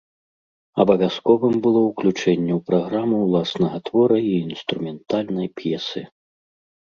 Абавязковым было ўключэнне ў праграму ўласнага твора і інструментальнай п'есы.